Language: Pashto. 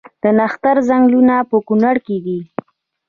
د نښتر ځنګلونه په کنړ کې دي؟